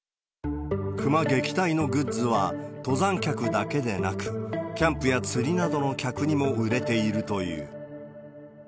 クマ撃退のグッズは、登山客だけでなく、キャンプや釣りなどの客にも売れているという。